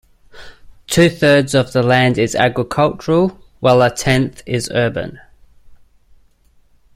Two thirds of the land is agricultural, while a tenth is urban.